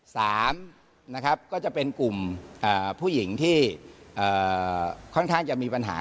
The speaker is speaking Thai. สามนะครับก็จะเป็นกลุ่มผู้หญิงที่ค่อนข้างจะมีปัญหา